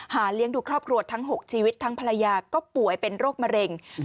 เลี้ยงดูครอบครัวทั้ง๖ชีวิตทั้งภรรยาก็ป่วยเป็นโรคมะเร็ง